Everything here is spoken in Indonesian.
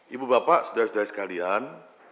ibu bapak sedara sedara sekalian